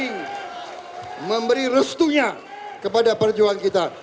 dan memberi restunya kepada perjuangan kita